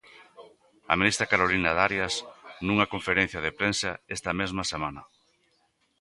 A ministra Carolina Darias nunha conferencia de prensa esta mesma semana.